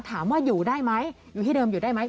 ถามว่าอยู่ได้ไหมอยู่ที่เดิมอยู่ได้ไหม